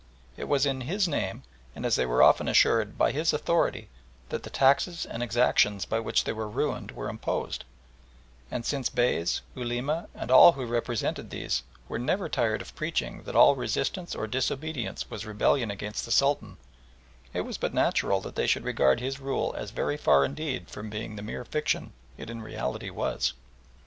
It was in his name and, as they were often assured, by his authority that the taxes and exactions by which they were ruined were imposed; and since Beys, Ulema, and all who represented these, were never tired of preaching that all resistance or disobedience was rebellion against the Sultan, it was but natural that they should regard his rule as very far indeed from being the mere fiction it in reality was.